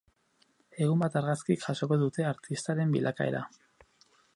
Ehun bat argazkik jasoko dute artistaren bilakaera.